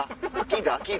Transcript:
聞いた？